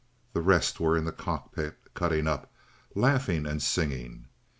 The rest were in the cockpit "cutting up"—laughing and singing.